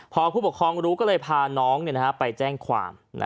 พอผู้ปกครองรู้ก็เลยพาน้องไปแจ้งความ